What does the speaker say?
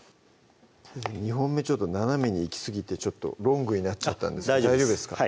２本目ちょっと斜めにいきすぎてちょっとロングになっちゃったんですけど大丈夫ですか？